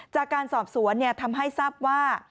จากการสอบสวนทำให้ทราบว่า